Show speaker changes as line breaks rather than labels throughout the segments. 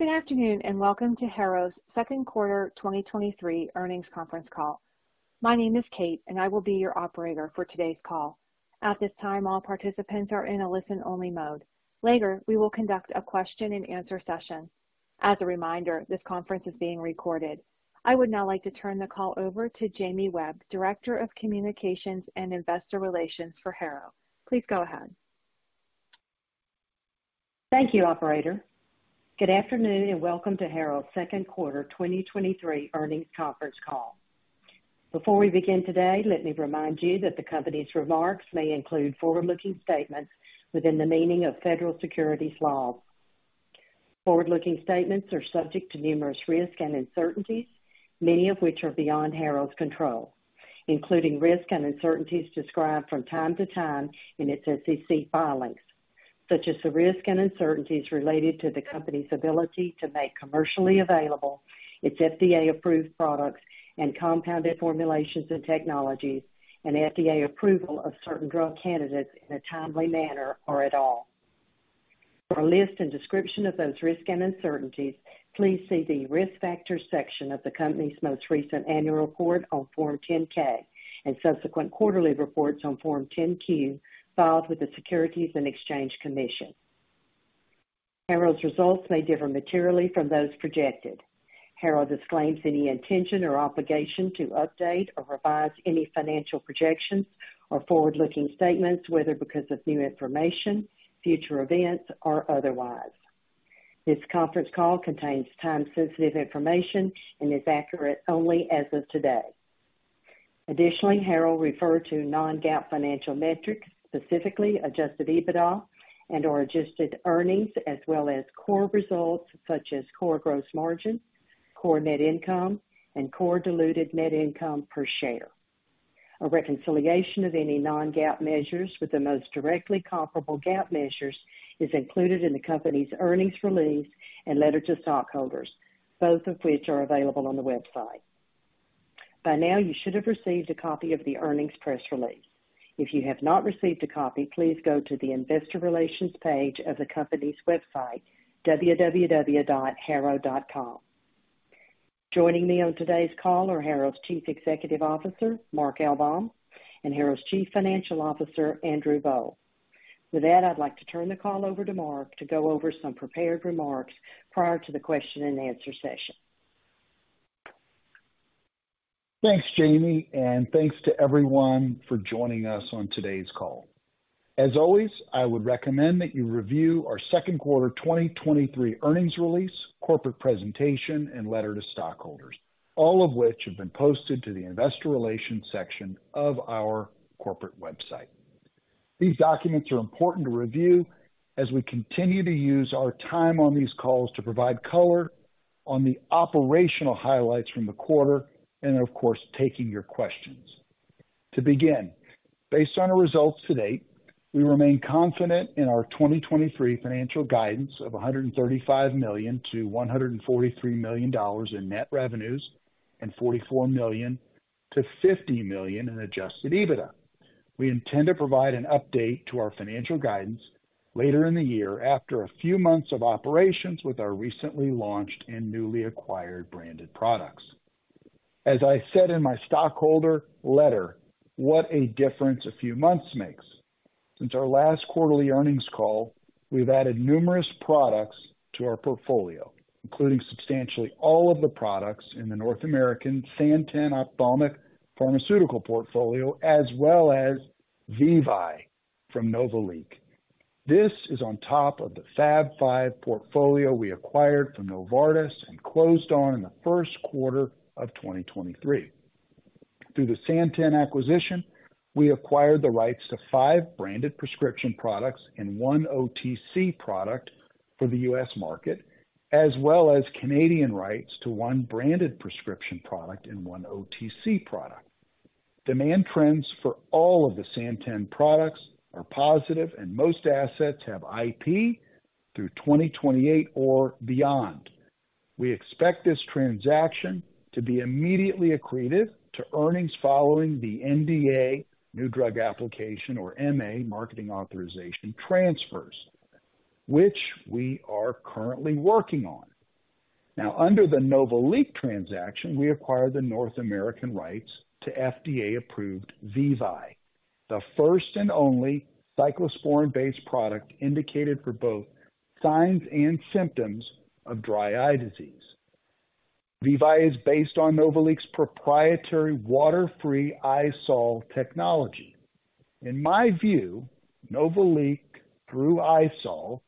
Good afternoon, welcome to Harrow's 2nd quarter 2023 earnings conference call. My name is Kate, I will be your operator for today's call. At this time, all participants are in a listen-only mode. Later, we will conduct a question-and-answer session. As a reminder, this conference is being recorded. I would now like to turn the call over to Jamie Webb, Director of Communications and Investor Relations for Harrow. Please go ahead.
Thank you, operator. Good afternoon, and welcome to Harrow's 2Q 2023 earnings conference call. Before we begin today, let me remind you that the company's remarks may include forward-looking statements within the meaning of federal securities laws. Forward-looking statements are subject to numerous risks and uncertainties, many of which are beyond Harrow's control, including risks and uncertainties described from time to time in its SEC filings. Such as the risks and uncertainties related to the company's ability to make commercially available its FDA-approved products and compounded formulations and technologies, FDA approval of certain drug candidates in a timely manner or at all. For a list and description of those risks and uncertainties, please see the Risk Factors section of the company's most recent annual report on Form 10-K and subsequent quarterly reports on Form 10-Q, filed with the Securities and Exchange Commission. Harrow's results may differ materially from those projected. Harrow disclaims any intention or obligation to update or revise any financial projections or forward-looking statements, whether because of new information, future events, or otherwise. This conference call contains time-sensitive information and is accurate only as of today. Additionally, Harrow referred to non-GAAP financial metrics, specifically adjusted EBITDA and/or adjusted earnings, as well as core results such as core gross margin, core net income, and core diluted net income per share. A reconciliation of any non-GAAP measures with the most directly comparable GAAP measures is included in the company's earnings release and letter to stockholders, both of which are available on the website. By now, you should have received a copy of the earnings press release. If you have not received a copy, please go to the investor relations page of the company's website, www.harrow.com. Joining me on today's call are Harrow's Chief Executive Officer, Mark L. Baum, and Harrow's Chief Financial Officer, Andrew Boll. With that, I'd like to turn the call over to Mark to go over some prepared remarks prior to the question-and-answer session.
Thanks, Jamie, thanks to everyone for joining us on today's call. As always, I would recommend that you review our second quarter 2023 earnings release, corporate presentation, and letter to stockholders, all of which have been posted to the investor relations section of our corporate website. These documents are important to review as we continue to use our time on these calls to provide color on the operational highlights from the quarter and, of course, taking your questions. To begin, based on our results to date, we remain confident in our 2023 financial guidance of $135 million-$143 million in net revenues and $44 million-$50 million in adjusted EBITDA. We intend to provide an update to our financial guidance later in the year, after a few months of operations with our recently launched and newly acquired branded products. As I said in my stockholder letter, what a difference a few months makes! Since our last quarterly earnings call, we've added numerous products to our portfolio, including substantially all of the products in the North American Santen Ophthalmic pharmaceutical portfolio, as well as VEVYE from Novaliq. This is on top of the Fab Five portfolio we acquired from Novartis and closed on in the first quarter of 2023. Through the Santen acquisition, we acquired the rights to five branded prescription products and one OTC product for the US market, as well as Canadian rights to one branded prescription product and one OTC product. Demand trends for all of the Santen products are positive, and most assets have IP through 2028 or beyond. We expect this transaction to be immediately accretive to earnings following the NDA, New Drug Application, or MA, Marketing Authorization transfers, which we are currently working on. Under the Novaliq transaction, we acquired the North American rights to FDA-approved VEVYE, the first and only cyclosporine-based product indicated for both signs and symptoms of dry eye disease. VEVYE is based on Novaliq's proprietary water-free EyeSol technology. In my view, Novaliq, through EyeSol,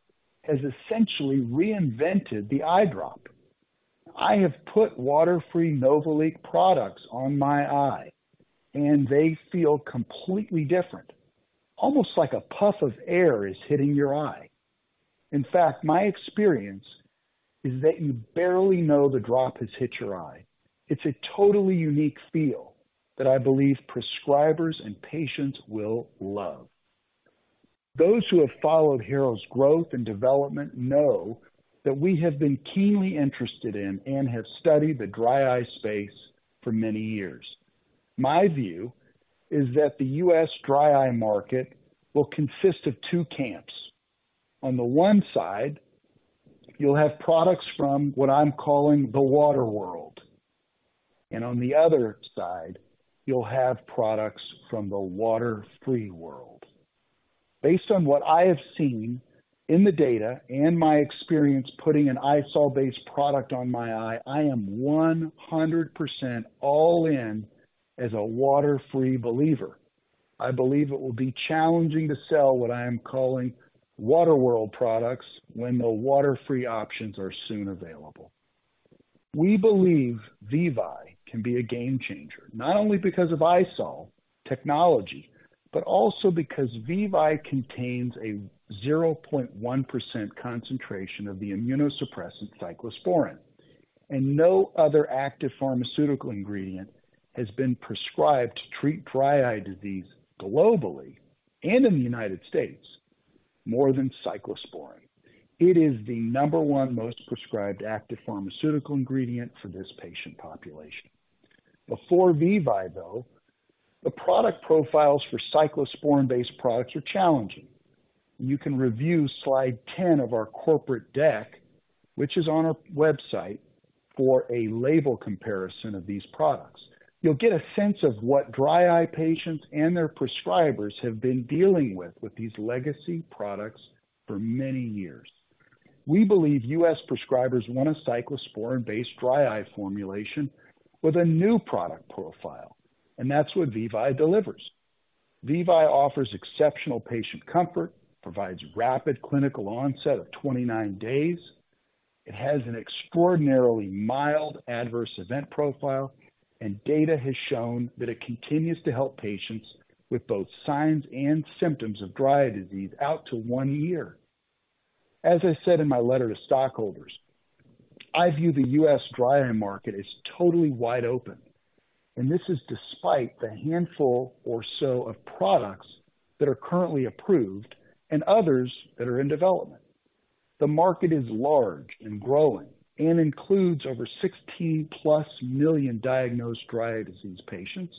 has essentially reinvented the eye drop. I have put water-free Novaliq products on my eye, and they feel completely different, almost like a puff of air is hitting your eye. In fact, my experience is that you barely know the drop has hit your eye. It's a totally unique feel that I believe prescribers and patients will love. Those who have followed Harrow's growth and development know that we have been keenly interested in and have studied the dry eye space for many years... My view is that the US dry eye market will consist of two camps. On the one side, you'll have products from what I'm calling the water world, and on the other side, you'll have products from the water-free world. Based on what I have seen in the data and my experience putting an EyeSol-based product on my eye, I am 100% all in as a water-free believer. I believe it will be challenging to sell what I am calling water world products when the water-free options are soon available. We believe VEVYE can be a game changer, not only because of EyeSol technology, but also because VEVYE contains a 0.1% concentration of the immunosuppressant cyclosporine, No other active pharmaceutical ingredient has been prescribed to treat dry eye disease globally and in the U.S. more than cyclosporine. It is the number 1 most prescribed active pharmaceutical ingredient for this patient population. Before VEVYE, though, the product profiles for cyclosporine-based products are challenging. You can review slide 10 of our corporate deck, which is on our website, for a label comparison of these products. You'll get a sense of what dry eye patients and their prescribers have been dealing with, with these legacy products for many years. We believe U.S. prescribers want a cyclosporine-based dry eye formulation with a new product profile, and that's what VEVYE delivers. VEVYE offers exceptional patient comfort, provides rapid clinical onset of 29 days, it has an extraordinarily mild adverse event profile. Data has shown that it continues to help patients with both signs and symptoms of dry eye disease out to 1 year. As I said in my letter to stockholders, I view the US dry eye market as totally wide open. This is despite the handful or so of products that are currently approved and others that are in development. The market is large and growing and includes over 16+ million diagnosed dry eye disease patients,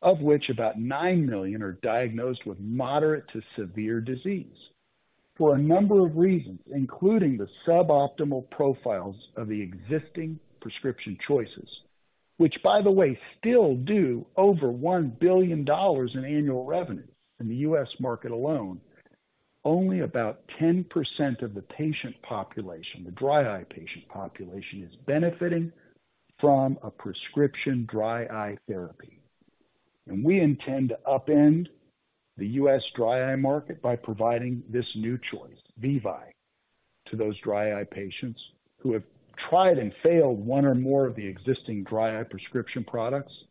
of which about 9 million are diagnosed with moderate to severe disease. For a number of reasons, including the suboptimal profiles of the existing prescription choices, which, by the way, still do over $1 billion in annual revenue in the U.S. market alone, only about 10% of the patient population, the dry eye patient population, is benefiting from a prescription dry eye therapy. We intend to upend the U.S. dry eye market by providing this new choice, VEVYE, to those dry eye patients who have tried and failed one or more of the existing dry eye prescription products.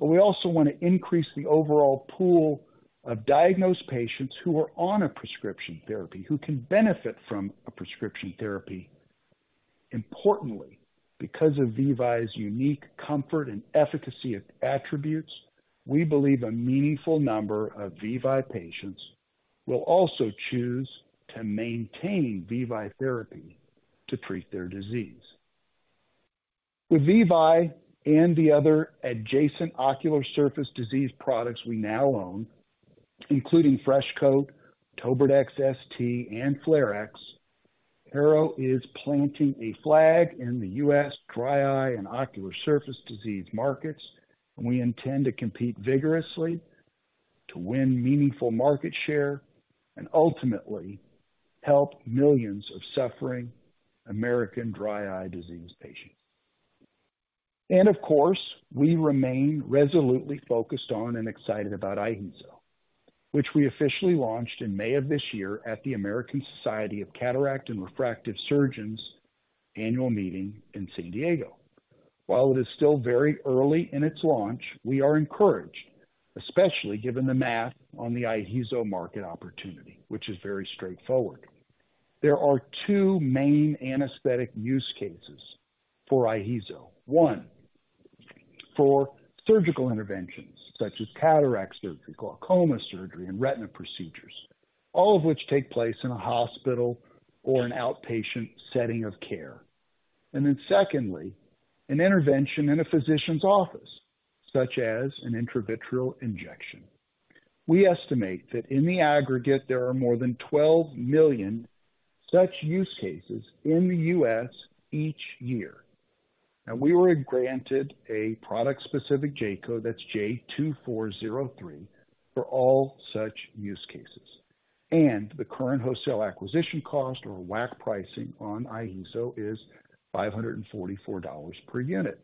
We also want to increase the overall pool of diagnosed patients who are on a prescription therapy, who can benefit from a prescription therapy. Importantly, because of VEVYE's unique comfort and efficacy of attributes, we believe a meaningful number of VEVYE patients will also choose to maintain VEVYE therapy to treat their disease. With VEVYE and the other adjacent ocular surface disease products we now own, including FRESHKOTE, Tobradex ST, and Flarex, Harrow is planting a flag in the U.S. dry eye and ocular surface disease markets, and we intend to compete vigorously to win meaningful market share and ultimately help millions of suffering American dry eye disease patients. Of course, we remain resolutely focused on and excited about IHEEZO, which we officially launched in May of this year at the American Society of Cataract and Refractive Surgery annual meeting in San Diego. While it is still very early in its launch, we are encouraged, especially given the math on the IHEEZO market opportunity, which is very straightforward. There are two main anesthetic use cases for IHEEZO. One, for surgical interventions such as cataract surgery, glaucoma surgery, and retina procedures, all of which take place in a hospital or an outpatient setting of care. Secondly, an intervention in a physician's office, such as an intravitreal injection. We estimate that in the aggregate, there are more than 12 million such use cases in the US each year, and we were granted a product-specific J-code, that's J2403, for all such use cases. The current wholesale acquisition cost or WAC pricing on IHEEZO is $544 per unit.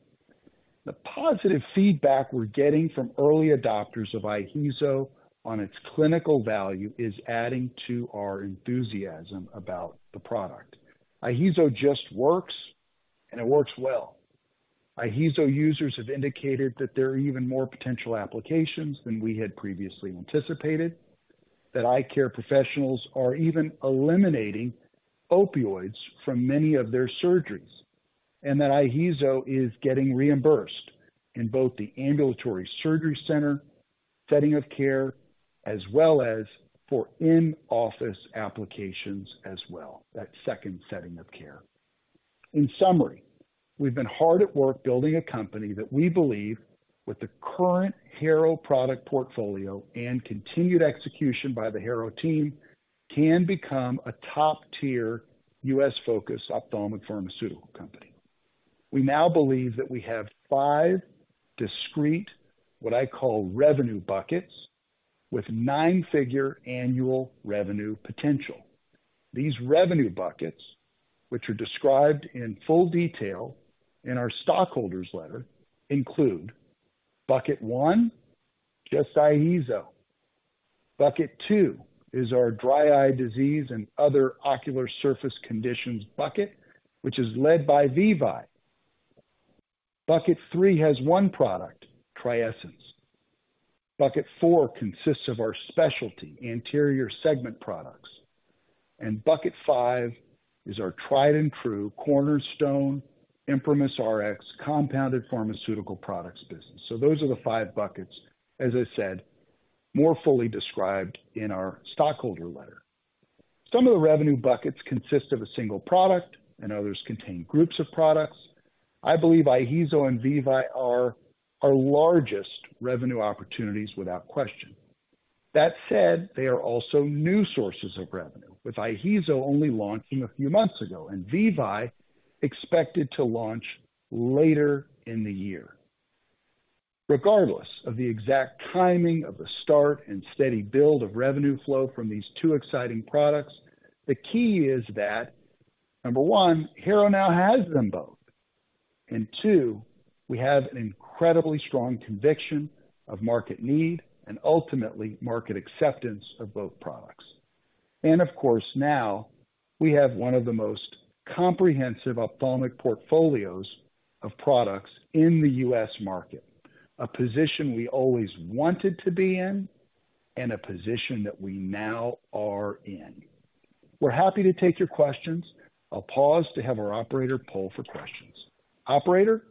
The positive feedback we're getting from early adopters of IHEEZO on its clinical value is adding to our enthusiasm about the product. IHEEZO just works, and it works well. IHEEZO users have indicated that there are even more potential applications than we had previously anticipated, that eye care professionals are even eliminating opioids from many of their surgeries, and that IHEEZO is getting reimbursed in both the ambulatory surgery center setting of care as well as for in-office applications as well, that second setting of care. In summary, we've been hard at work building a company that we believe, with the current Harrow product portfolio and continued execution by the Harrow team, can become a top-tier US-focused ophthalmic pharmaceutical company. We now believe that we have five discrete, what I call, revenue buckets, with 9-figure annual revenue potential. These revenue buckets, which are described in full detail in our stockholders letter, include bucket one, just IHEEZO. Bucket two is our dry eye disease and other ocular surface conditions bucket, which is led by VEVYE. Bucket three has one product, TRIESENCE. Bucket four consists of our specialty anterior segment products. Bucket five is our tried-and-true cornerstone, ImprimisRx compounded pharmaceutical products business. Those are the five buckets. As I said, more fully described in our stockholder letter. Some of the revenue buckets consist of a single product, and others contain groups of products. I believe IHEEZO and VEVYE are our largest revenue opportunities without question. That said, they are also new sources of revenue, with IHEEZO only launching a few months ago, and VEVYE expected to launch later in the year. Regardless of the exact timing of the start and steady build of revenue flow from these two exciting products, the key is that, number one, Harrow now has them both, two, we have an incredibly strong conviction of market need and ultimately market acceptance of both products. Of course, now we have one of the most comprehensive ophthalmic portfolios of products in the US market, a position we always wanted to be in and a position that we now are in. We're happy to take your questions. I'll pause to have our operator poll for questions. Operator?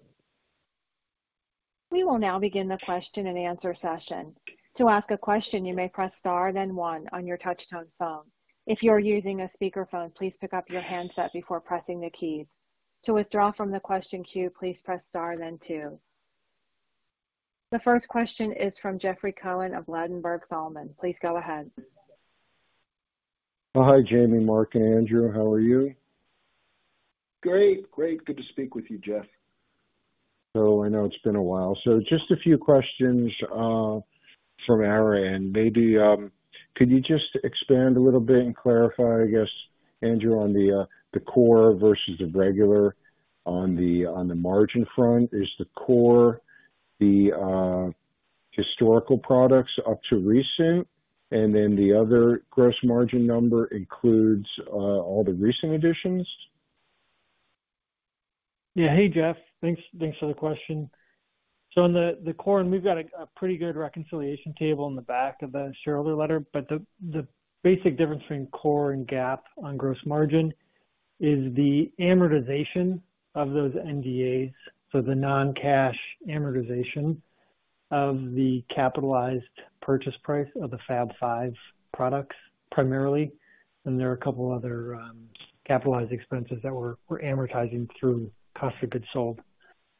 We will now begin the question and answer session. To ask a question, you may press Star-Then One on your touchtone phone. If you are using a speakerphone, please pick up your handset before pressing the keys. To withdraw from the question queue, please press Star then Two. The first question is from Jeffrey Cohen of Ladenburg Thalmann. Please go ahead.
Well, hi, Jamie, Mark, and Andrew. How are you?
Great. Great. Good to speak with you, Jeff.
I know it's been a while. Just a few questions from our end. Maybe, could you just expand a little bit and clarify, I guess, Andrew, on the core versus the regular on the on the margin front? Is the core the historical products up to recent, and then the other gross margin number includes all the recent additions?
Yeah. Hey, Jeff. Thanks, thanks for the question. On the, the core, and we've got a, a pretty good reconciliation table in the back of the shareholder letter, but the, the basic difference between core and GAAP on gross margin is the amortization of those NDAs, so the non-cash amortization of the capitalized purchase price of the Fab Five products, primarily, and there are a couple other, capitalized expenses that we're, we're amortizing through cost of goods sold.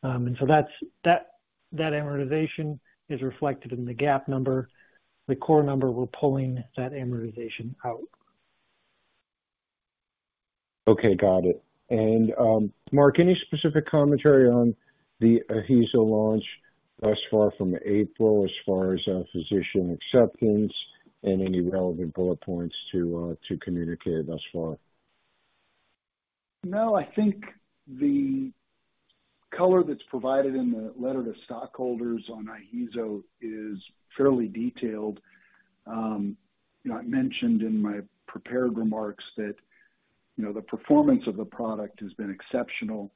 That's- that, that amortization is reflected in the GAAP number. The core number, we're pulling that amortization out.
Okay, got it. Mark, any specific commentary on the IHEEZO launch thus far from April, as far as physician acceptance and any relevant bullet points to communicate thus far?
No, I think the color that's provided in the letter to stockholders on IHEEZO is fairly detailed. I mentioned in my prepared remarks that, you know, the performance of the product has been exceptional.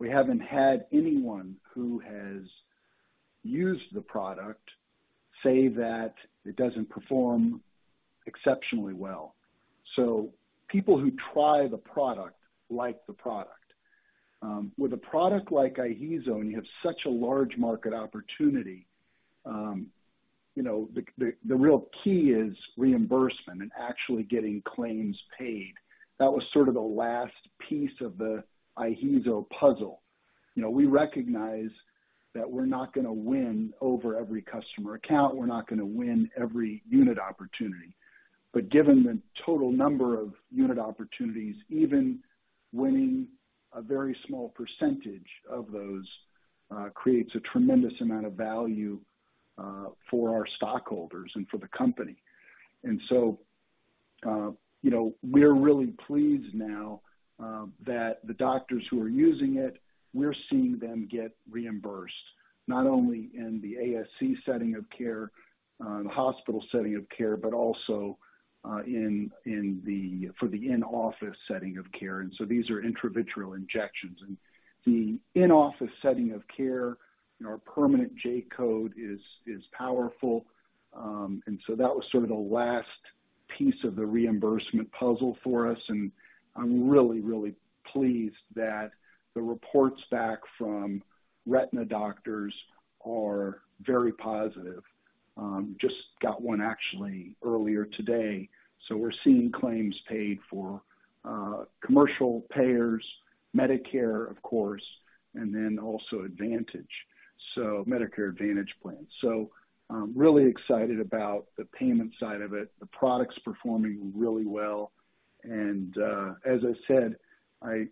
We haven't had anyone who has used the product say that it doesn't perform exceptionally well. People who try the product, like the product. With a product like IHEEZO, and you have such a large market opportunity, you know, the, the, the real key is reimbursement and actually getting claims paid. That was sort of the last piece of the IHEEZO puzzle. You know, we recognize that we're not gonna win over every customer account. We're not gonna win every unit opportunity. Given the total number of unit opportunities, even winning a very small percentage of those, creates a tremendous amount of value, for our stockholders and for the company. You know, we're really pleased now, that the doctors who are using it, we're seeing them get reimbursed, not only in the ASC setting of care, the hospital setting of care, but also, for the in-office setting of care. These are intravitreal injections. The in-office setting of care, you know, our permanent J-code is, is powerful. That was sort of the last piece of the reimbursement puzzle for us, and I'm really, really pleased that the reports back from retina doctors are very positive. Just got one actually earlier today. We're seeing claims paid for commercial payers, Medicare, of course, and then also Advantage, so Medicare Advantage Plans. I'm really excited about the payment side of it. The product's performing really well. As I said, I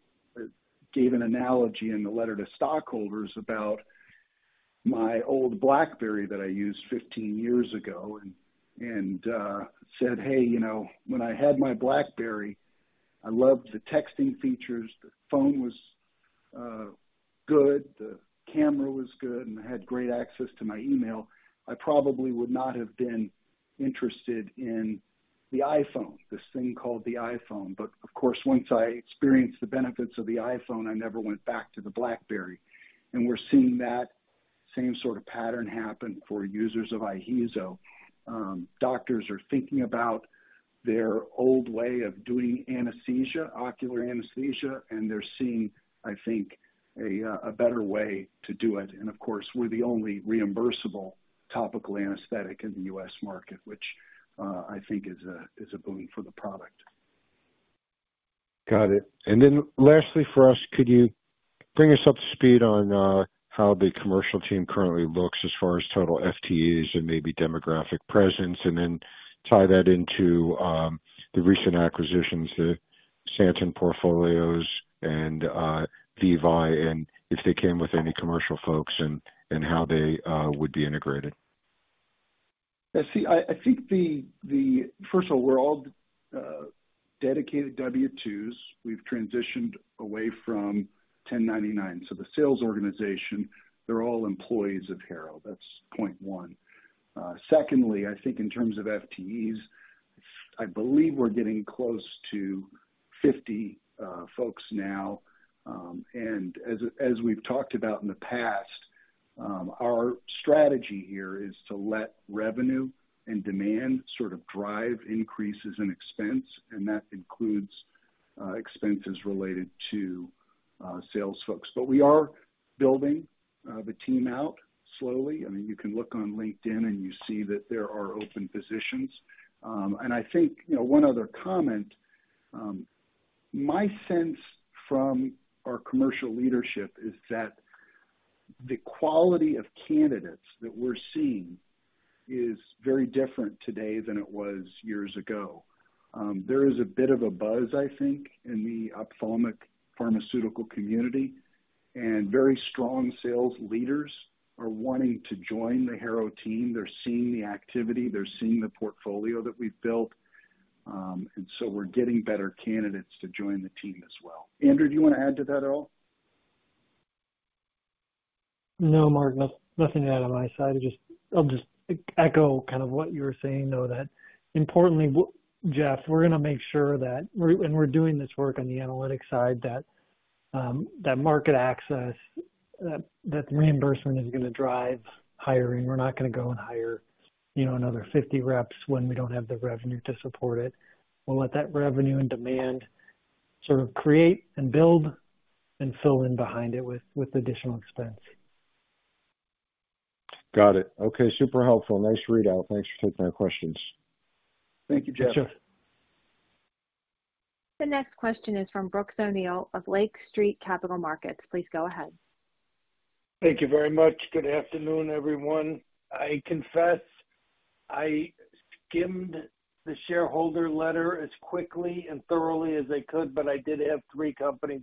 gave an analogy in the letter to stockholders about my old BlackBerry that I used 15 years ago and said, "Hey, you know, when I had my BlackBerry, I loved the texting features. The phone was good, the camera was good, and I had great access to my email. I probably would not have been interested in the iPhone, this thing called the iPhone. Of course, once I experienced the benefits of the iPhone, I never went back to the BlackBerry." We're seeing that same sort of pattern happen for users of IHEEZO. Doctors are thinking about their old way of doing anesthesia, ocular anesthesia, and they're seeing, I think, a better way to do it. Of course, we're the only reimbursable topical anesthetic in the U.S. market, which, I think is a, is a boon for the product.
Then lastly, for us, could you bring us up to speed on how the commercial team currently looks as far as total FTEs and maybe demographic presence, and then tie that into the recent acquisitions, the Santen portfolios and VEVYE, and if they came with any commercial folks and how they would be integrated?
I see. I think the first of all, we're all dedicated W-2s. We've transitioned away from 1099. The sales organization, they're all employees of Harrow. That's point one. Secondly, I think in terms of FTEs, I believe we're getting close to 50 folks now. As we've talked about in the past, our strategy here is to let revenue and demand sort of drive increases in expense, and that includes expenses related to sales folks. We are building the team out slowly. I mean, you can look on LinkedIn, and you see that there are open positions. I think, you know, one other comment, my sense from our commercial leadership is that the quality of candidates that we're seeing is very different today than it was years ago. There is a bit of a buzz, I think, in the ophthalmic pharmaceutical community, and very strong sales leaders are wanting to join the Harrow team. They're seeing the activity, they're seeing the portfolio that we've built, and so we're getting better candidates to join the team as well. Andrew, do you want to add to that at all?
No, Mark, nothing to add on my side. I'll just echo kind of what you were saying, though, that importantly, Jeff, we're gonna make sure that when we're doing this work on the analytic side, that market access, that, that reimbursement is gonna drive hiring. We're not gonna go and hire, you know, another 50 reps when we don't have the revenue to support it. We'll let that revenue and demand sort of create and build and fill in behind it with, with additional expense.
Got it. Okay, super helpful. Nice readout. Thanks for taking our questions.
Thank you, Jeff.
Thanks, Jeff.
The next question is from Brooks O'Neil of Lake Street Capital Markets. Please go ahead.
Thank you very much. Good afternoon, everyone. I confess, I skimmed the shareholder letter as quickly and thoroughly as I could, but I did have three companies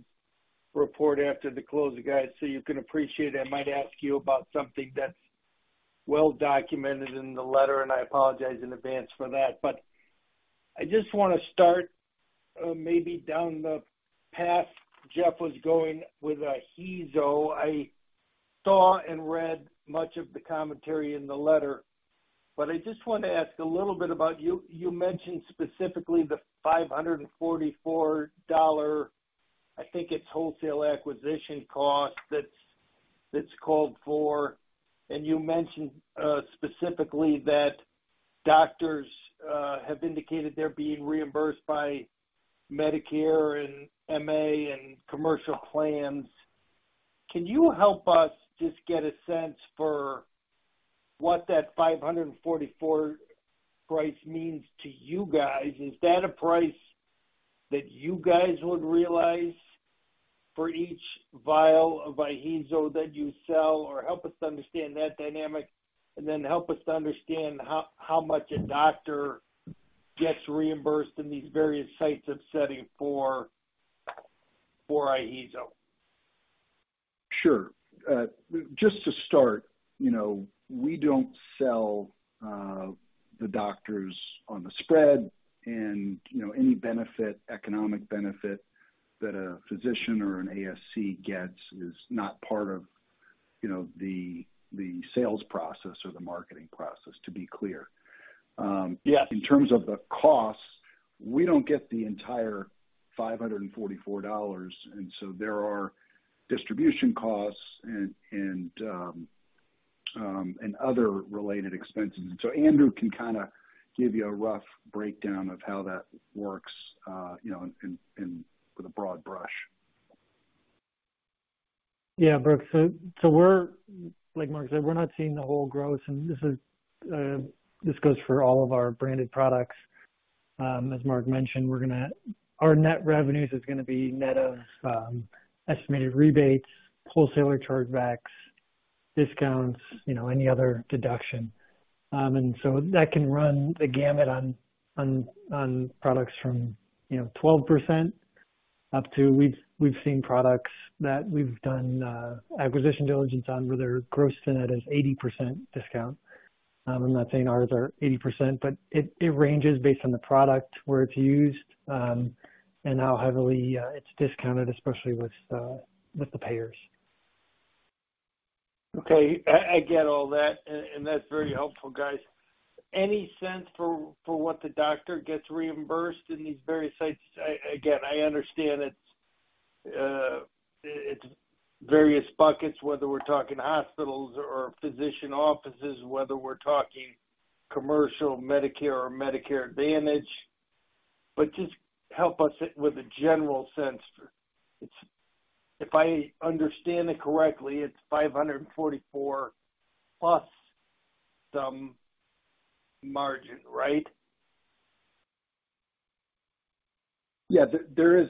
report after the close of guide, so you can appreciate I might ask you about something that's well documented in the letter, and I apologize in advance for that. I just want to start, maybe down the path Jeff was going with IHEEZO. I saw and read much of the commentary in the letter, but I just want to ask a little bit about you. You mentioned specifically the $544, I think it's wholesale acquisition cost, that's, that's called for. You mentioned specifically that doctors have indicated they're being reimbursed by Medicare and MA and commercial plans. Can you help us just get a sense for what that $544 price means to you guys? Is that a price that you guys would realize for each vial of IHEEZO that you sell? Help us understand that dynamic, and then help us to understand how, how much a doctor gets reimbursed in these various sites of setting for, for IHEEZO.
Sure. Just to start, you know, we don't sell, the doctors on the spread and, you know, any benefit, economic benefit that a physician or an ASC gets is not part of, you know, the, the sales process or the marketing process, to be clear.
Yeah.
In terms of the costs, we don't get the entire $544. There are distribution costs and other related expenses. Andrew can kinda give you a rough breakdown of how that works, you know, in with a broad brush.
Yeah, Brooke, we're, like Mark said, we're not seeing the whole growth, and this is, this goes for all of our branded products. As Mark mentioned, our net revenues is gonna be net of estimated rebates, wholesaler chargebacks, discounts, you know, any other deduction. That can run the gamut on, on, on products from, you know, 12% up to we've, we've seen products that we've done acquisition diligence on, where their gross-to-net is 80% discount. I'm not saying ours are 80%, but it, it ranges based on the product, where it's used, and how heavily it's discounted, especially with the payers.
Okay. I, I get all that, and, and that's very helpful, guys. Any sense for, for what the doctor gets reimbursed in these various sites? I, again, I understand it's, it's various buckets, whether we're talking hospitals or physician offices, whether we're talking commercial Medicare or Medicare Advantage, but just help us with a general sense. It's, If I understand it correctly, it's $544 plus some margin, right?
Yeah. There is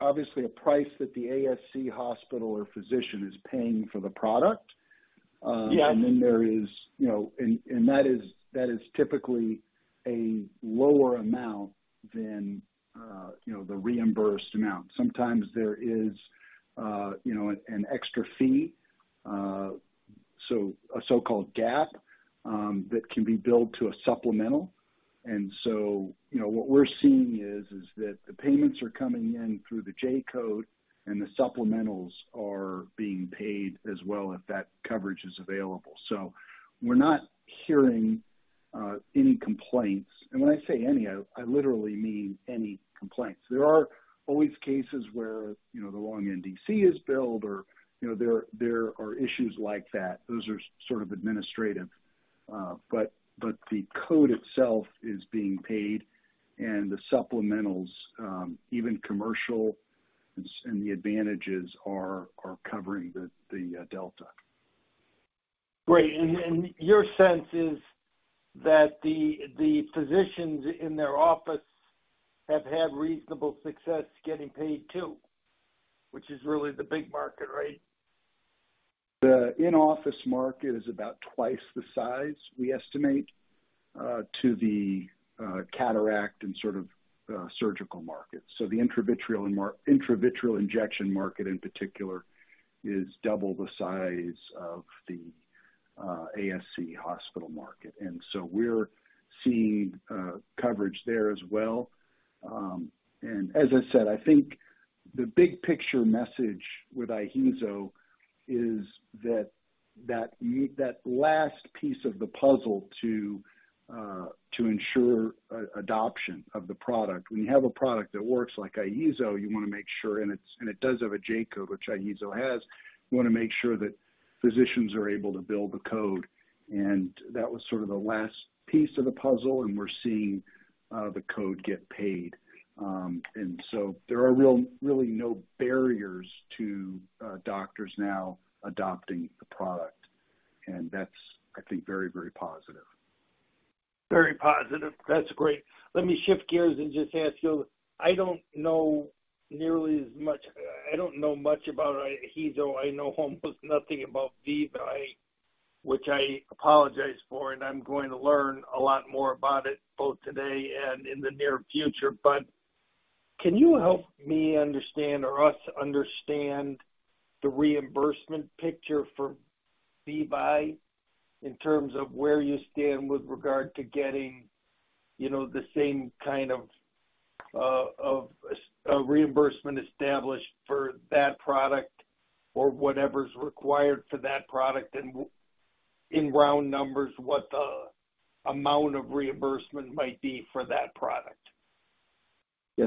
obviously a price that the ASC hospital or physician is paying for the product.
Yeah.
There is, you know, and, and that is, that is typically a lower amount than, you know, the reimbursed amount. Sometimes there is, you know, an extra fee, so a so-called gap, that can be billed to a supplemental. You know, what we're seeing is, is that the payments are coming in through the J-code, and the supplementals are being paid as well, if that coverage is available. We're not hearing, any complaints, and when I say any, I, I literally mean any complaints. There are always cases where, you know, the wrong NDC is billed or, you know, there, there are issues like that. Those are sort of administrative, but the code itself is being paid, and the supplementals, even commercial and the Advantages are, are covering the, the, delta.
Great. Your sense is that the, the physicians in their office have had reasonable success getting paid, too, which is really the big market, right?
The in-office market is about twice the size, we estimate, to the cataract and sort of surgical market. The intravitreal injection market, in particular, is double the size of the ASC hospital market, and so we're seeing coverage there as well. As I said, I think the big picture message with IHEEZO is that, that you need that last piece of the puzzle to ensure adoption of the product. When you have a product that works like IHEEZO, you wanna make sure... And it's, and it does have a J-code, which IHEEZO has, you wanna make sure that physicians are able to bill the code, and that was sort of the last piece of the puzzle, and we're seeing the code get paid. There are really no barriers to doctors now adopting the product, and that's, I think, very, very positive.
Very positive. That's great. Let me shift gears and just ask you, I don't know nearly as much, I don't know much about IHEEZO. I know almost nothing about VEVYE, which I apologize for, and I'm going to learn a lot more about it both today and in the near future. Can you help me understand or us understand the reimbursement picture for VEVYE in terms of where you stand with regard to getting, you know, the same kind of of a reimbursement established for that product or whatever is required for that product? In round numbers, what the amount of reimbursement might be for that product?
Yeah.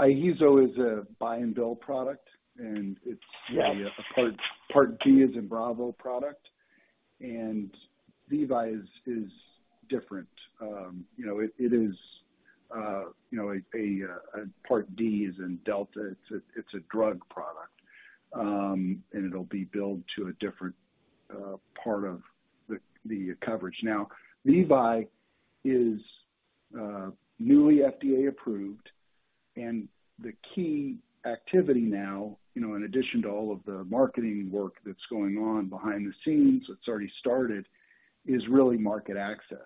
IHEEZO is a buy and bill product, and it's.
Yeah...
a Part, Part B, as in Bravo product, and VEVYE is, is different. You know, it, it is, you know, a Part B, as in Delta. It's a, it's a drug product, and it'll be billed to a different part of the coverage. Now, VEVYE is newly FDA approved. The key activity now, you know, in addition to all of the marketing work that's going on behind the scenes, that's already started, is really market access.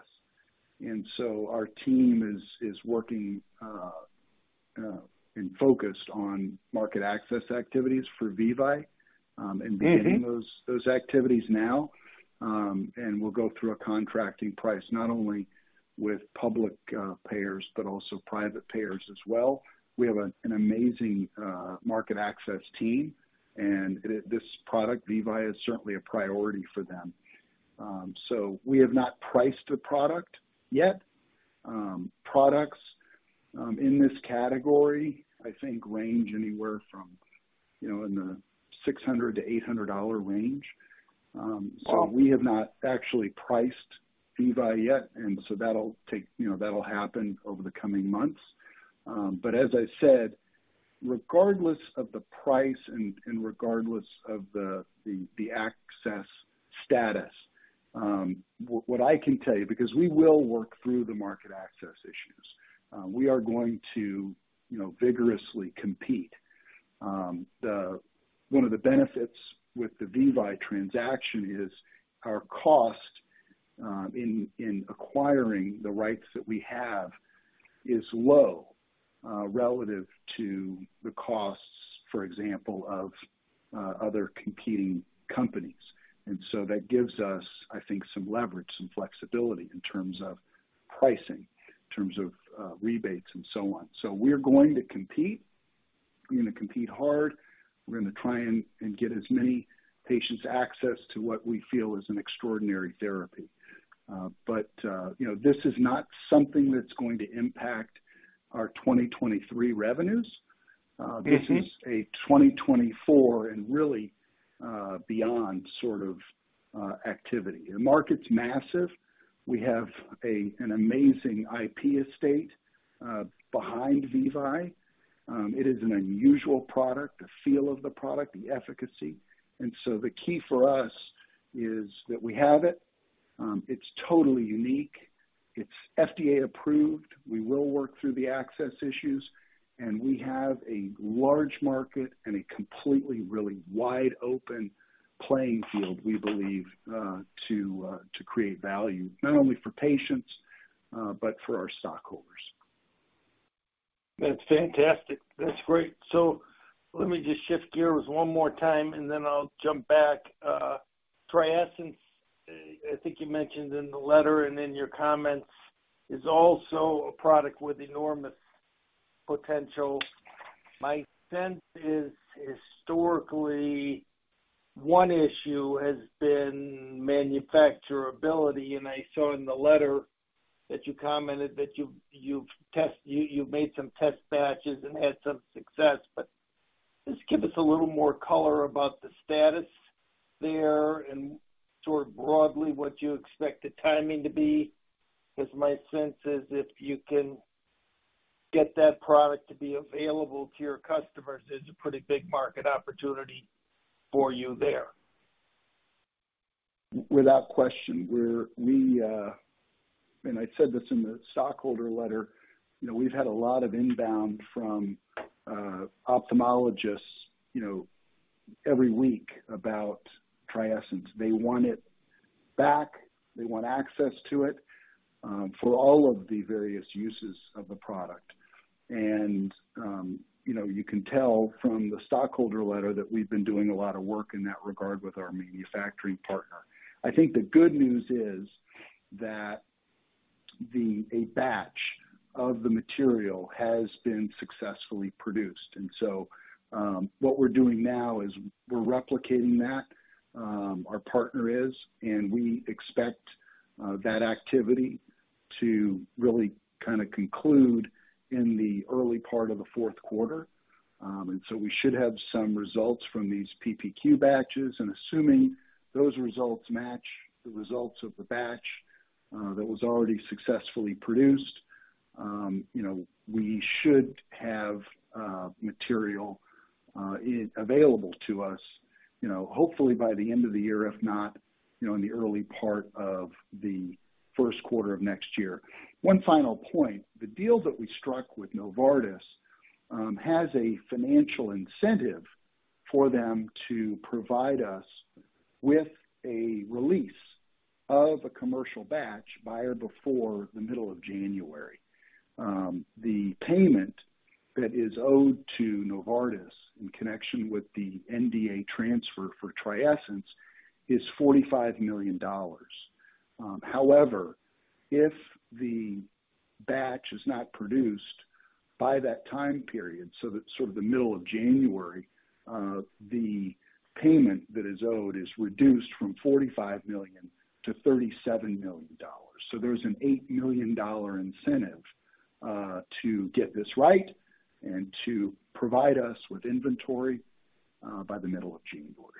Our team is, is working and focused on market access activities for VEVYE.
Mm-hmm.
Beginning those, those activities now, we'll go through a contracting price, not only with public payers, but also private payers as well. We have an amazing market access team, this product, VEVYE, is certainly a priority for them. We have not priced the product yet. Products in this category, I think, range anywhere from, you know, in the $600-$800 range. We have not actually priced VEVYE yet, and so that'll take, you know, that'll happen over the coming months. As I said, regardless of the price and regardless of the access status, what I can tell you, because we will work through the market access issues. We are going to, you know, vigorously compete. One of the benefits with the VEVYE transaction is our cost in acquiring the rights that we have is low relative to the costs, for example, of other competing companies. So that gives us, I think, some leverage, some flexibility in terms of pricing, in terms of rebates and so on. We're going to compete. We're gonna compete hard. We're gonna try and, and get as many patients access to what we feel is an extraordinary therapy. You know, this is not something that's going to impact our 2023 revenues.
Mm-hmm.
really beyond activity. The market's massive. We have an amazing IP estate behind VEVYE. It is an unusual product, the feel of the product, the efficacy. So the key for us is that we have it, it's totally unique, it's FDA approved. We will work through the access issues, and we have a large market and a completely, really wide-open playing field, we believe, to create value, not only for patients, but for our stockholders
That's fantastic. That's great. Let me just shift gears one more time, and then I'll jump back. TRIESENCE, I think you mentioned in the letter and in your comments, is also a product with enormous potential. My sense is, historically, one issue has been manufacturability, and I saw in the letter that you commented that you made some test batches and had some success. Just give us a little more color about the status there and sort of broadly, what you expect the timing to be. My sense is, if you can get that product to be available to your customers, there's a pretty big market opportunity for you there.
Without question, we're we, and I said this in the stockholder letter, you know, we've had a lot of inbound from ophthalmologists, you know, every week about TRIESENCE. They want it back, they want access to it, for all of the various uses of the product. You know, you can tell from the stockholder letter that we've been doing a lot of work in that regard with our manufacturing partner. I think the good news is that a batch of the material has been successfully produced. So, what we're doing now is we're replicating that, our partner is, and we expect that activity to really kinda conclude in the early part of the fourth quarter. We should have some results from these PPQ batches, and assuming those results match the results of the batch that was already successfully produced, you know, we should have material available to us, you know, hopefully by the end of the year, if not, you know, in the early part of the first quarter of next year. One final point, the deal that we struck with Novartis has a financial incentive for them to provide us with a release of a commercial batch by or before the middle of January. The payment that is owed to Novartis in connection with the NDA transfer for TRIESENCE is $45 million. However, if the batch is not produced by that time period, so that's sort of the middle of January, the payment that is owed is reduced from $45 million to $37 million. There's an $8 million incentive to get this right and to provide us with inventory by the middle of January.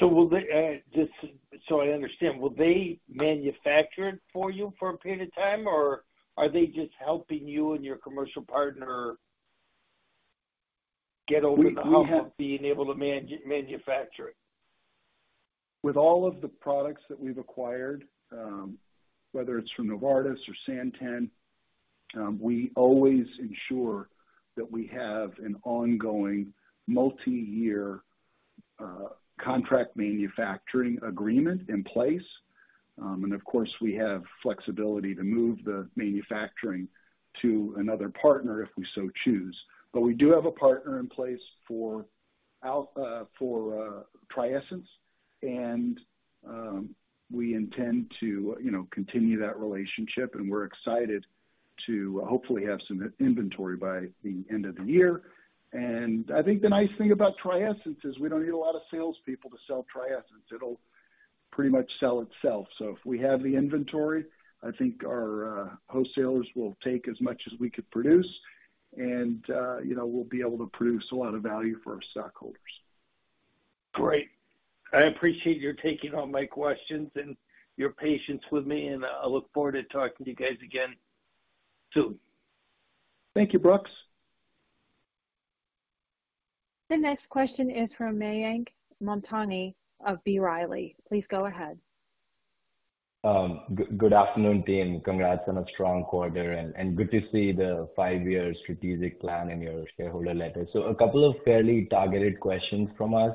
Will they, just so I understand, will they manufacture it for you for a period of time, or are they just helping you and your commercial partner get over the hump?
We have.
of being able to manufacture it?
With all of the products that we've acquired, whether it's from Novartis or Santen, we always ensure that we have an ongoing multiyear contract manufacturing agreement in place. Of course, we have flexibility to move the manufacturing to another partner if we so choose. We do have a partner in place for Alpha, for TRIESENCE, and, we intend to, you know, continue that relationship, and we're excited to hopefully have some inventory by the end of the year. I think the nice thing about TRIESENCE is we don't need a lot of salespeople to sell TRIESENCE. It'll pretty much sell itself. If we have the inventory, I think our wholesalers will take as much as we could produce, and, you know, we'll be able to produce a lot of value for our stockholders.
Great. I appreciate your taking all my questions and your patience with me, and I look forward to talking to you guys again soon.
Thank you, Brooks.
The next question is from Mayank Mamtani of B. Riley. Please go ahead.
Good afternoon, team. Congrats on a strong quarter, and good to see the 5-year strategic plan in your shareholder letter. A couple of fairly targeted questions from us.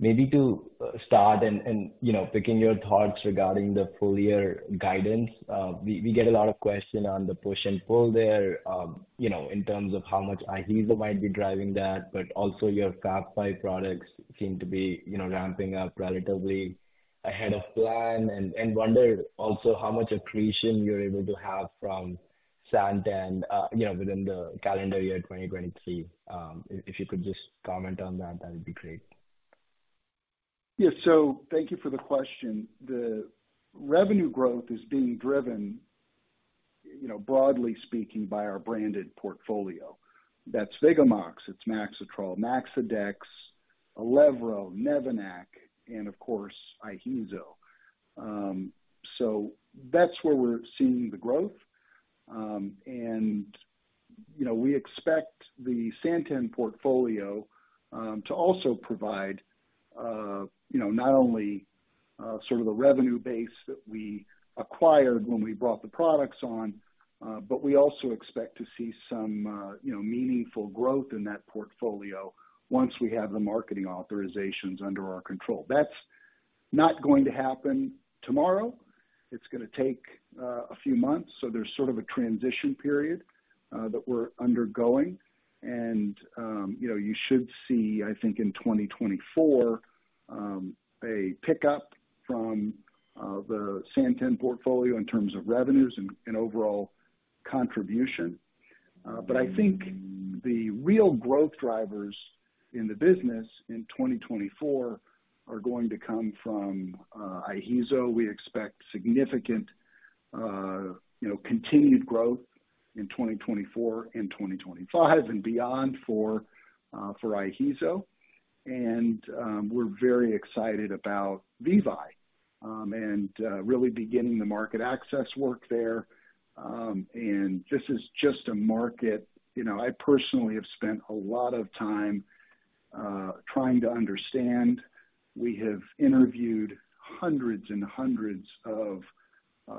Maybe to start and, you know, picking your thoughts regarding the full year guidance, we get a lot of question on the push and pull there, you know, in terms of how much IHEEZO might be driving that. Also your Fab Five products seem to be, you know, ramping up relatively ahead of plan. Wonder also how much accretion you're able to have from Santen, you know, within the calendar year 2023. If you could just comment on that, that would be great.
Yeah. Thank you for the question. The revenue growth is being driven, you know, broadly speaking, by our branded portfolio. That's Vigamox, it's Maxitrol, Maxidex, ILEVRO, Nevanac, and of course, IHEEZO. That's where we're seeing the growth. You know, we expect the Santen portfolio to also provide, you know, not only sort of the revenue base that we acquired when we brought the products on, but we also expect to see some, you know, meaningful growth in that portfolio once we have the marketing authorizations under our control. That's not going to happen tomorrow. It's gonna take a few months, so there's sort of a transition period that we're undergoing. You know, you should see, I think, in 2024 a pickup from the Santen portfolio in terms of revenues and overall contribution. I think the real growth drivers in the business in 2024 are going to come from IHEEZO. We expect significant, you know, continued growth in 2024 and 2025 and beyond for for IHEEZO. We're very excited about VEVYE, and really beginning the market access work there. This is just a market, you know, I personally have spent a lot of time trying to understand. We have interviewed hundreds and hundreds of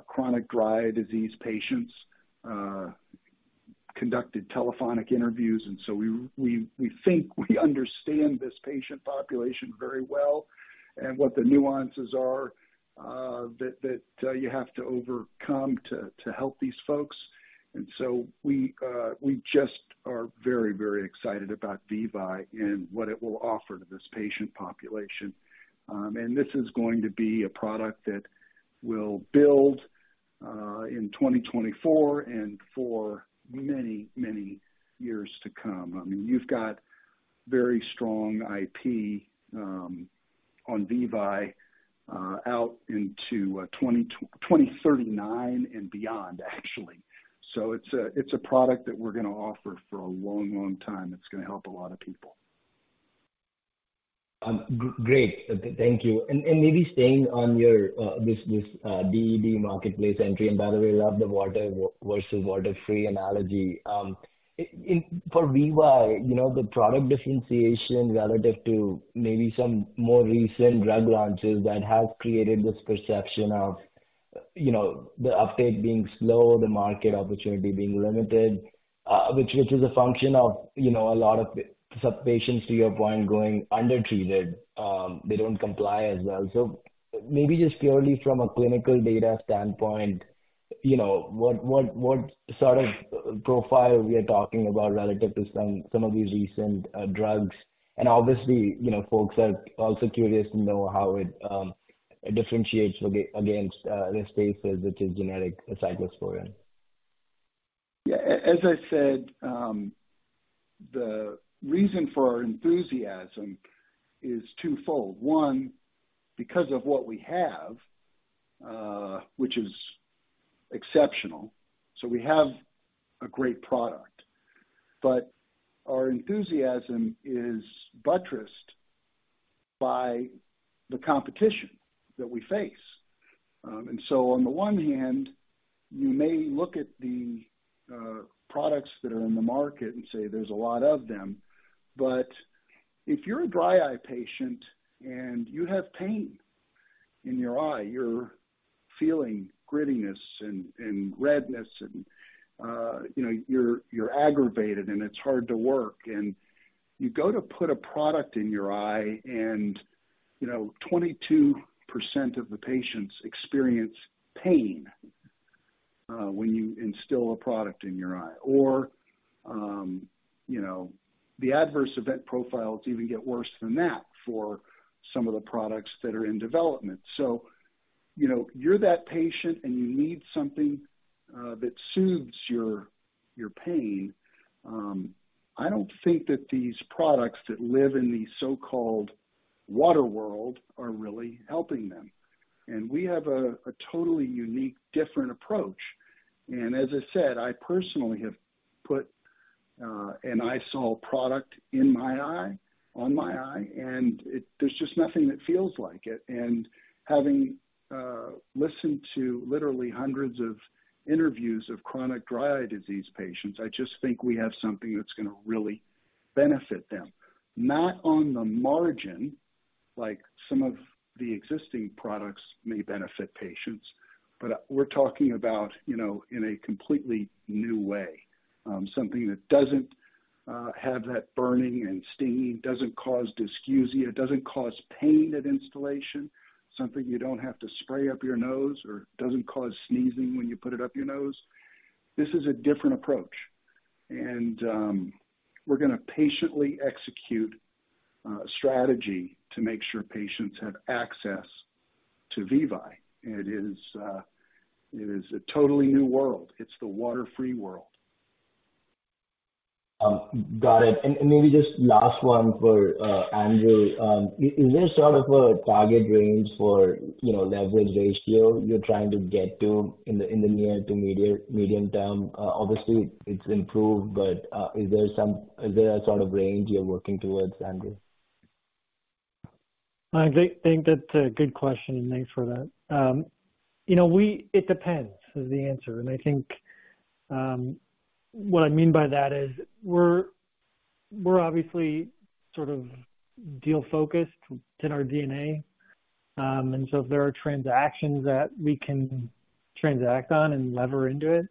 chronic dry eye disease patients, conducted telephonic interviews, so we, we, we think we understand this patient population very well and what the nuances are that, that you have to overcome to, to help these folks. So we just are very, very excited about VEVYE and what it will offer to this patient population. This is going to be a product that will build in 2024 and for many, many years to come. I mean, you've got very strong IP on VEVYE out into 2039 and beyond, actually. It's a, it's a product that we're gonna offer for a long, long time. It's gonna help a lot of people.
Great. Thank you. Maybe staying on your, this, this, DED marketplace entry, and by the way, love the water versus water-free analogy. In, for VEVYE, you know, the product differentiation relative to maybe some more recent drug launches that have created this perception of, you know, the uptake being slow, the market opportunity being limited, which, which is a function of, you know, a lot of sub patients, to your point, going undertreated, they don't comply as well. Maybe just purely from a clinical data standpoint, you know, what, what, what sort of profile we are talking about relative to some, some of these recent drugs? Obviously, you know, folks are also curious to know how it differentiates against the space, which is generic cyclosporine.
As I said, the reason for our enthusiasm is twofold: One, because of what we have, which is exceptional, so we have a great product. Our enthusiasm is buttressed by the competition that we face. On the one hand, you may look at the products that are in the market and say there's a lot of them, but if you're a dry eye patient and you have pain in your eye, you're feeling grittiness and, and redness and, you know, you're, you're aggravated and it's hard to work, and you go to put a product in your eye and, you know, 22% of the patients experience pain when you instill a product in your eye. You know, the adverse event profiles even get worse than that for some of the products that are in development. So. you know, you're that patient, and you need something that soothes your, your pain. I don't think that these products that live in the so-called water world are really helping them. We have a, a totally unique, different approach. As I said, I personally have put an EyeSol product in my eye, on my eye, and there's just nothing that feels like it. Having listened to literally hundreds of interviews of chronic dry eye disease patients, I just think we have something that's gonna really benefit them. Not on the margin, like some of the existing products may benefit patients, but we're talking about, you know, in a completely new way. Something that doesn't have that burning and stinging, doesn't cause dysgeusia, it doesn't cause pain at installation, something you don't have to spray up your nose or doesn't cause sneezing when you put it up your nose. This is a different approach. We're gonna patiently execute a strategy to make sure patients have access to VEVYE. It is, it is a totally new world. It's the water-free world.
Got it. Maybe just last one for Andrew. Is there sort of a target range for, you know, leverage ratio you're trying to get to in the, in the near to medium, medium term? Obviously, it's improved, but is there a sort of range you're working towards, Andrew?
I think, think that's a good question, and thanks for that. You know, it depends, is the answer. I think, what I mean by that is, we're, we're obviously sort of deal-focused in our DNA. If there are transactions that we can transact on and lever into it,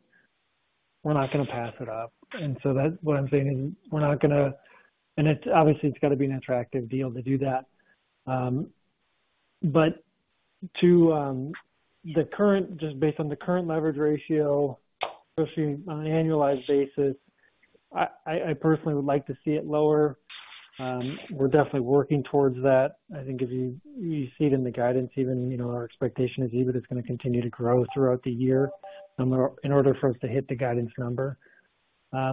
we're not gonna pass it up. That's what I'm saying, is we're not gonna. It's, obviously, it's got to be an attractive deal to do that. To the current, just based on the current leverage ratio, especially on an annualized basis, I, I, I personally would like to see it lower. We're definitely working towards that. I think if you, you see it in the guidance, even, you know, our expectation is, even it's gonna continue to grow throughout the year in order for us to hit the guidance number. At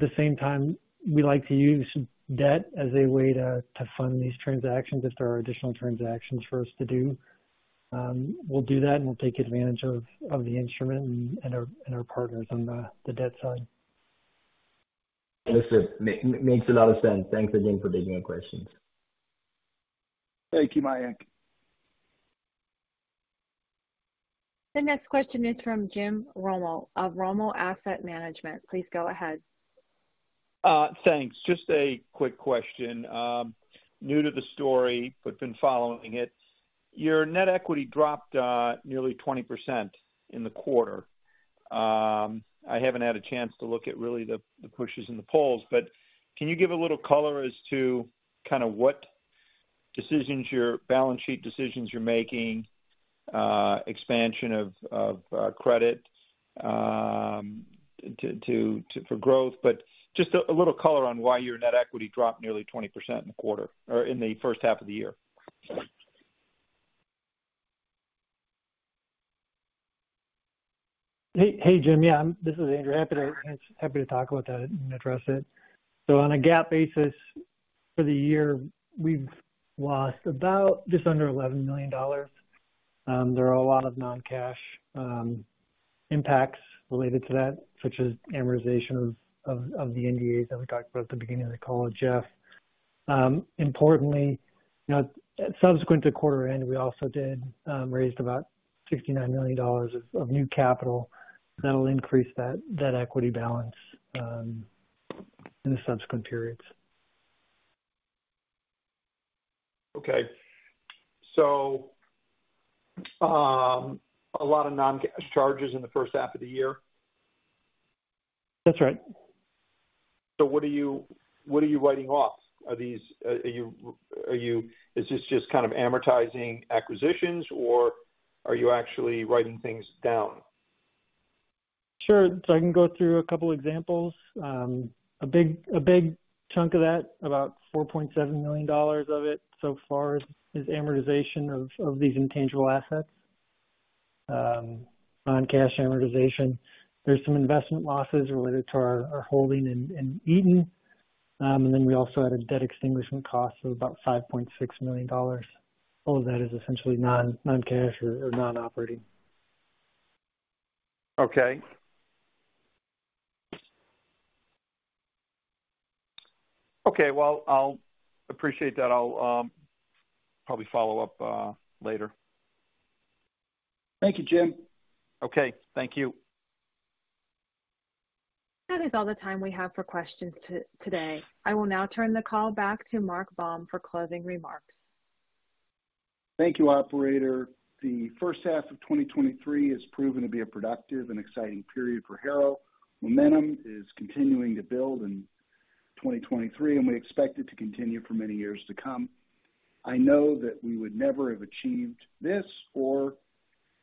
the same time, we like to use debt as a way to fund these transactions. If there are additional transactions for us to do, we'll do that, and we'll take advantage of the instrument and our partners on the debt side.
Listen, makes a lot of sense. Thanks again for taking my questions.
Thank you, Mayank.
The next question is from Jim Roumell of Roumell Asset Management. Please go ahead.
Thanks. Just a quick question. New to the story, but been following it. Your net equity dropped, nearly 20% in the quarter. I haven't had a chance to look at really the, the pushes and the pulls, but can you give a little color as to kinda what decisions you're balance sheet decisions you're making, expansion of, of credit, to, to, to, for growth? Just a, a little color on why your net equity dropped nearly 20% in the quarter or in the first half of the year.
Hey, hey, Jim. Yeah, this is Andrew. Happy to, happy to talk about that and address it. On a GAAP basis, for the year, we've lost about just under $11 million. There are a lot of non-cash impacts related to that, such as amortization of, of, of the NDAs, as we talked about at the beginning of the call with Jeff. Importantly, you know, subsequent to quarter end, we also did raised about $69 million of new capital that will increase that equity balance in the subsequent periods.
A lot of non-cash charges in the first half of the year?
That's right.
What are you, what are you writing off? Are these, are you just kind of amortizing acquisitions, or are you actually writing things down?
Sure. I can go through a couple examples. A big, a big chunk of that, about $4.7 million of it so far, is amortization of, of these intangible assets. Non-cash amortization. There's some investment losses related to our, our holding in, in Eton. We also had a debt extinguishment cost of about $5.6 million. All of that is essentially non, non-cash or, or non-operating.
Okay. Okay, well, I'll appreciate that. I'll probably follow up later.
Thank you, Jim.
Okay. Thank you.
That is all the time we have for questions today. I will now turn the call back to Mark Baum for closing remarks.
Thank you, operator. The first half of 2023 has proven to be a productive and exciting period for Harrow. Momentum is continuing to build in 2023. We expect it to continue for many years to come. I know that we would never have achieved this or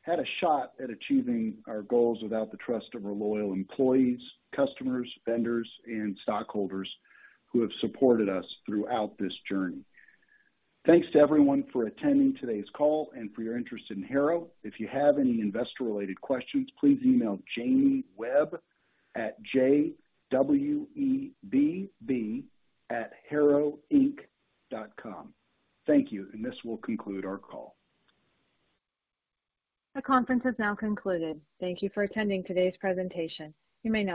had a shot at achieving our goals without the trust of our loyal employees, customers, vendors, and stockholders who have supported us throughout this journey. Thanks to everyone for attending today's call and for your interest in Harrow. If you have any investor-related questions, please email Jamie Webb at jwebb@harrowinc.com. Thank you. This will conclude our call.
The conference has now concluded. Thank you for attending today's presentation. You may disconnect.